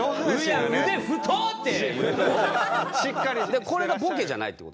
でこれがボケじゃないって事ですよね？